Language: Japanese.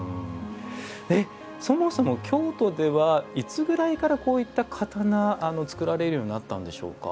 そもそも京都ではいつぐらいから、こういった刀が作られるようになったんでしょうか。